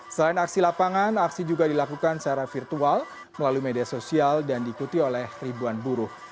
selain aksi lapangan aksi juga dilakukan secara virtual melalui media sosial dan diikuti oleh ribuan buruh